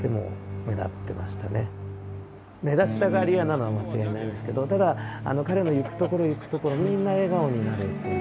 目立ちたがり屋なのは間違いないんですけどただ彼の行く所行く所みんな笑顔になるというか。